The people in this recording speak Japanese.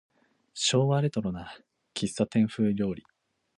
昭和レトロな喫茶店風料理